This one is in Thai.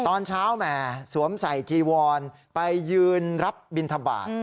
ตอนเช้าแหมสวมใส่จีวอนไปยืนรับบินทบาท